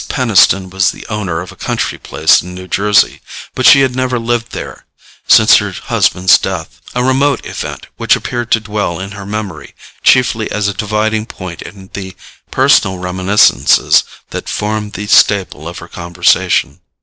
Peniston was the owner of a country place in New Jersey, but she had never lived there since her husband's death—a remote event, which appeared to dwell in her memory chiefly as a dividing point in the personal reminiscences that formed the staple of her conversation.